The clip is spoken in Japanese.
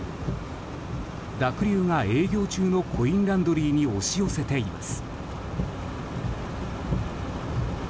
濁流が営業中のコインランドリーに押し寄せています。